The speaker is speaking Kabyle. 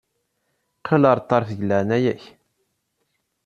Qqel ɣer ṭṭerf deg leɛnaya-k.